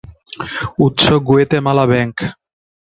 উৎস: Guatemala bank.